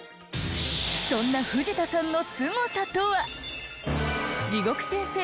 そんな藤田さんのスゴさとは？